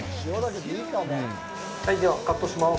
では、カットします。